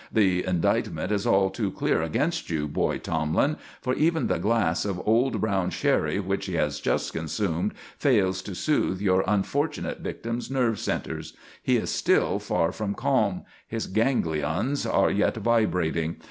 The indictment is all too clear against you, boy Tomlin, for even the glass of old brown sherry which he has just consumed fails to soothe your unfortunate victim's nerve centres. He is still far from calm; his ganglions are yet vibrating.